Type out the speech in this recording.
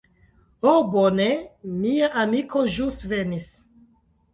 Ho bone, mia amiko ĵus venis.